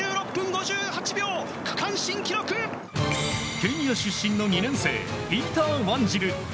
ケニア出身の２年生ピーター・ワンジル。